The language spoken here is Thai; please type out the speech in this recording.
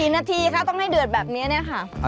๔นาฬิกาต้องให้เดือดแบบนี้ครับ